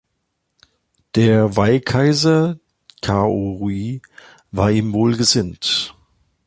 Der Wei-Kaiser Cao Rui war ihm wohlgesinnt.